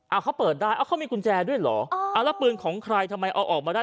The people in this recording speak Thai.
เอาเขาเปิดได้เอาเขามีกุญแจด้วยเหรออ่าเอาแล้วปืนของใครทำไมเอาออกมาได้